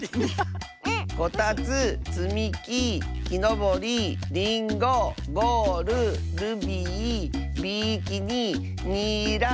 「こたつつみききのぼりリンゴゴールルビービキニニラ」。